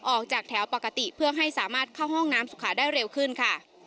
ออกจากแถวปกติเพื่อให้สามารถเข้าห้องน้ำสุขาได้เร็วขึ้นค่ะ